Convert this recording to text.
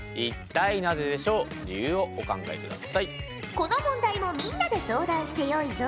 この問題もみんなで相談してよいぞ。